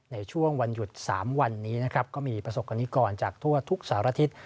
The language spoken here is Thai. ในช่วงวันหยุด๓วอนนี้มีประสบกรณีกรจากทั่วทุกสารทิศ